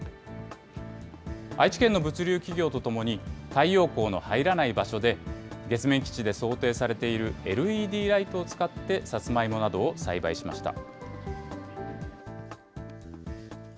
愛知県の物流企業とともに、太陽光の入らない場所で、月面基地で想定されているＬＥＤライトを使ってサツマイモなどを栽培しました。